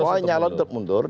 pokoknya nyalon tetap mundur